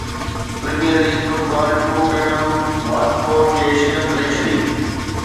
premier league football Tottenham Watford کي شڪست ڏئي ڇڏي